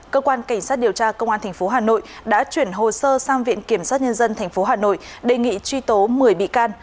đội tra công an tp hà nội đã chuyển hồ sơ sang viện kiểm soát nhân dân tp hà nội đề nghị truy tố một mươi bị can